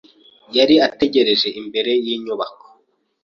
Yari ategereje imbere yinyubako.